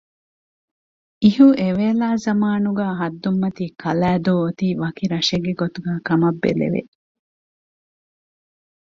އިހު އެވޭލާ ޒަމާނުގައި ހައްދުންމަތީ ކަލައިދޫ އޮތީ ވަކި ރަށެއްގެ ގޮތުގައިކަމަށް ބެލެވެ